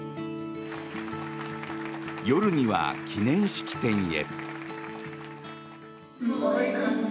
夜には記念式典へ。